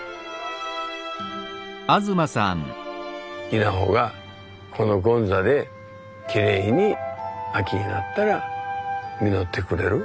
稲穂がこの権座できれいに秋になったら実ってくれる。